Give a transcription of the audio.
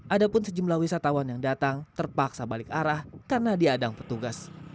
ada pun sejumlah wisatawan yang datang terpaksa balik arah karena diadang petugas